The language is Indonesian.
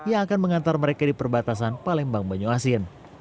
yang akan mengantar mereka di perbatasan palembang banyuasin